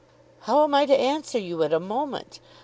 "How am I to answer you at a moment?